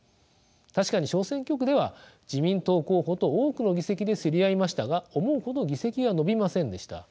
確かに小選挙区では自民党候補と多くの議席で競り合いましたが思うほど議席は伸びませんでした。